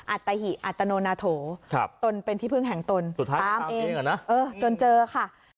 อัตภิอัตโนโนโถครับตนเป็นที่พึ่งแห่งตนตามเองตามเองเหรอนะเออจนเจอค่ะ